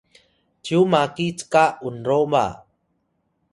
cyu maki cka unroba